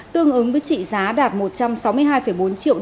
tương ứng với trị giá đạt một trăm sáu mươi hai bốn triệu usd